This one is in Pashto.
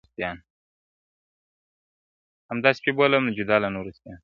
هم دا سپی بولم جدا له نورو سپیانو,